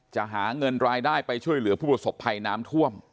หาเงินรายได้ไปช่วยเหลือผู้ประสบภัยน้ำท่วม